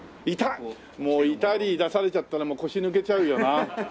イタッもうイタリー出されちゃったら腰抜けちゃうよな。